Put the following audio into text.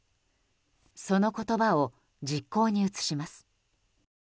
その言葉を、実行に移します。